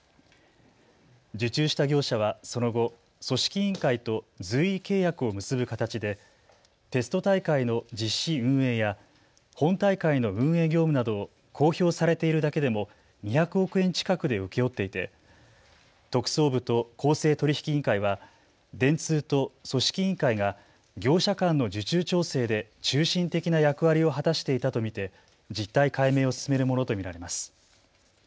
受注した業者はその後、組織委員会と随意契約を結ぶ形でテスト大会の実施運営や本大会の運営業務などを公表されているだけでも２００億円近くで請け負っていて特捜部と公正取引委員会は電通と組織委員会が業者間の受注調整で中心的な役割を果たしていたと見て実態解明を進めるものと見られます。